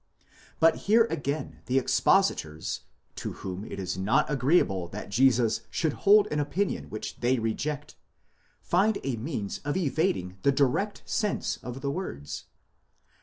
But here again the expositors, to whom it is not agreeable that Jesus should hold an opinion which they reject, find a means of evading the direct sense of the words.